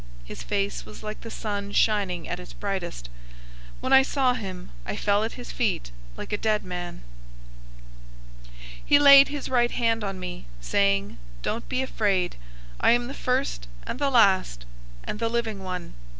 His face was like the sun shining at its brightest. 001:017 When I saw him, I fell at his feet like a dead man. He laid his right hand on me, saying, "Don't be afraid. I am the first and the last, 001:018 and the Living one.